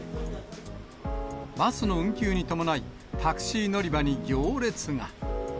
バスの運休に伴い、タクシー乗り場に行列が。